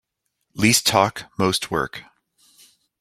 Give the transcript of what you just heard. Least talk most work.